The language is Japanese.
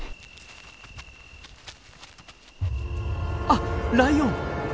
あっライオン！